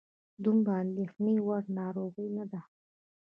دومره د اندېښنې وړ ناروغي نه ده.